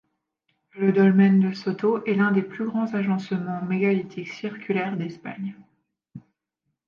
Le dolmen de Soto est l'un des plus grands agencements mégalithiques circulaires d'Espagne.